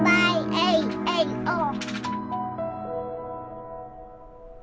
エイエイオー！